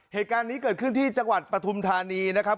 เหตุการณ์นี้เกิดขึ้นที่จังหวัดปฐุมธานีนะครับ